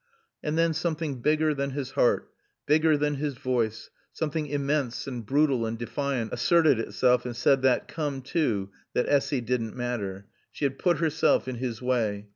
And then something bigger than his heart, bigger than his voice, something immense and brutal and defiant, asserted itself and said that Come to that Essy didn't matter. She had put herself in his way.